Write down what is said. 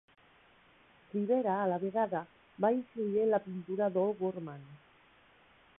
Rivera, a la vegada, va influir en la pintura d'O'Gorman.